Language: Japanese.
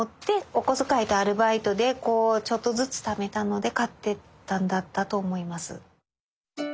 お小遣いとアルバイトでちょっとずつためたので買ってったんだったと思います。